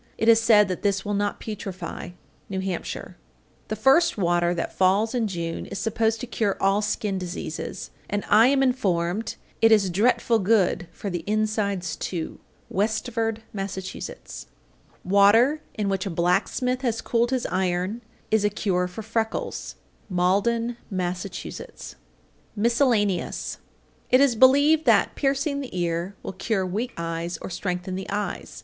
It is said that this will not putrefy. New Hampshire. 842. The first water that falls in June is supposed to cure all skin diseases; and I am informed "it is dretful good for the insides, too." Westford, Mass. 843. Water in which a blacksmith has cooled his iron is a cure for freckles. Malden, Mass. MISCELLANEOUS. 844. It is believed that "piercing the ear" will cure weak eyes or strengthen the eyes.